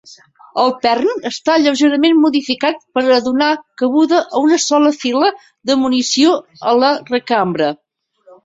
El pern està lleugerament modificat per a donar cabuda a una sola fila de munició a la recambra.